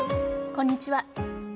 こんにちは。